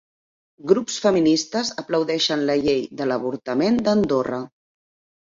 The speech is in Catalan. Grups feministes aplaudeixen la llei de l'avortament d'Andorra